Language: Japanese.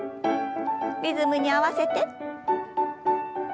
リズムに合わせて。